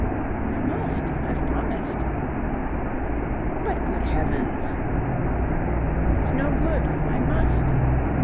"I must. I've promised." "But, good heavens..." "It's no good. I must."